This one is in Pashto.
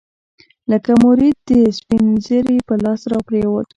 لکه مريد د سپينږيري په لاس راپرېوت.